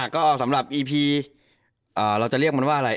ก็สำหรับอีพีเราจะเรียกมันว่าอะไร